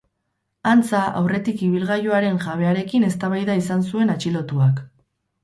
Antza, aurretik ibilgailuaren jabearekin eztabaida izan zuen atxilotuak.